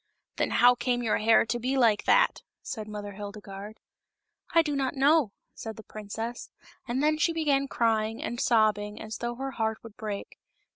" Then how came your hair to be like that?" said Mother Hildegarde. " I do not know," said the princess ; and then she began crying and sob bing as though her heart would break.